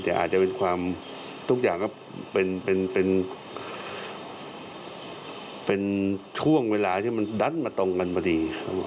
แต่อาจจะเป็นความทุกอย่างก็เป็นช่วงเวลาที่มันดันมาตรงกันพอดีครับผม